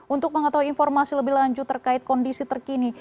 untuk mengetahui informasi lebih lanjut terkait kondisi terkini